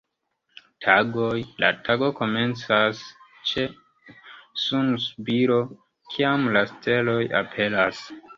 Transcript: Tagoj: la tago komencas ĉe sunsubiro, kiam la steloj aperas.